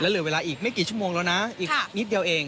เหลือเวลาอีกไม่กี่ชั่วโมงแล้วนะอีกนิดเดียวเอง